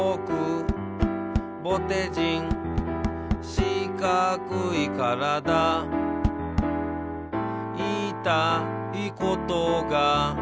「しかくいからだ」「いいたいことが」